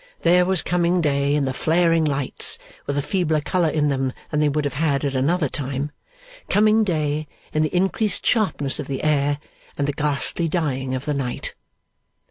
There was coming day in the flaring lights, with a feebler colour in them than they would have had at another time; coming day in the increased sharpness of the air, and the ghastly dying of the night.